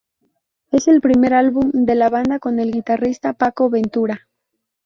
Es el primer álbum de la banda con el guitarrista Paco Ventura.